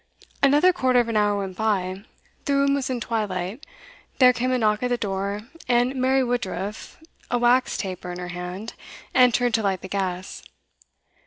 Another quarter of an hour went by. The room was in twilight. There came a knock at the door, and Mary Woodruff, a wax taper in her hand, entered to light the gas.